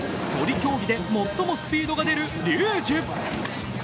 そり競技で最もスピードが出るリュージュ。